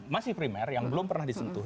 masih primer yang belum pernah disentuh